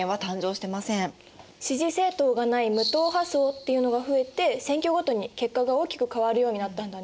支持政党がない無党派層っていうのが増えて選挙ごとに結果が大きく変わるようになったんだね。